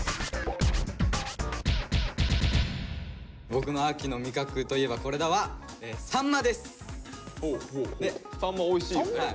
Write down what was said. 僕の「秋の味覚といえばコレだ！」はさんまおいしいよね。